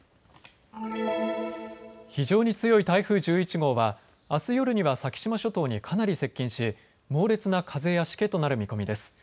非常に強い台風１１号はあす夜には先島諸島にかなり接近し、猛烈な風やしけとなる見込みです。